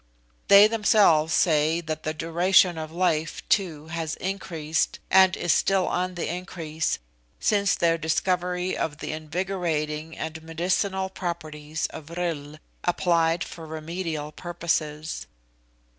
They themselves say that the duration of life, too, has increased, and is still on the increase, since their discovery of the invigorating and medicinal properties of vril, applied for remedial purposes.